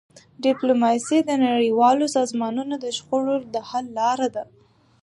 ډيپلوماسي د نړیوالو سازمانونو د شخړو د حل لاره ده.